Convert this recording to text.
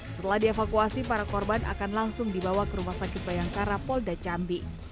setelah dievakuasi para korban akan langsung dibawa ke rumah sakit bayangkara polda jambi